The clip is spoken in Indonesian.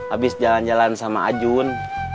abis jalan jalan sama ajun